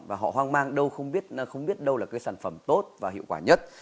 và họ hoang mang đâu không biết đâu là cái sản phẩm tốt và hiệu quả nhất